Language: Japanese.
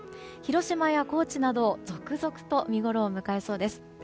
広島や高知など続々と見ごろを迎えそうです。